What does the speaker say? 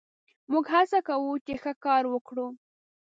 موږ هڅه کوو، چې ښه کار وکړو.